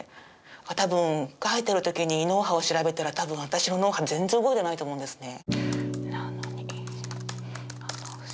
多分書いてる時に脳波を調べたら多分私の脳波全然動いてないと思うんですね。